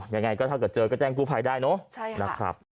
อย่างไรถ้าเจอก็แจ้งกู้ภัยได้เนอะ